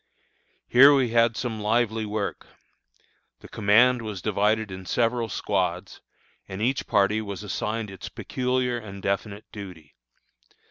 Here we had some lively work. The command was divided in several squads, and each party was assigned its peculiar and definite duty.